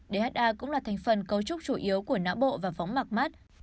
dha cũng là thành phần cấu trúc chủ yếu của não bộ và võng mặt mắt